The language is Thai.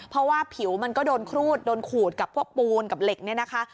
เพราะว่าผิวมันก็โดนครูดโดนขูดกับพวกปูนกับเหล็กเนี่ยนะคะ